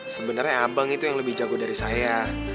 sebenarnya abang itu yang lebih jago dari saya